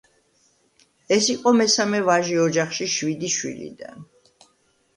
ის იყო მესამე ვაჟი ოჯახში შვიდი შვილიდან.